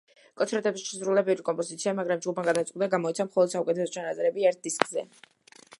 კონცერტებზე შესრულდა ბევრი კომპოზიცია, მაგრამ ჯგუფმა გადაწყვიტა, გამოეცა მხოლოდ საუკეთესო ჩანაწერები, ერთ დისკზე.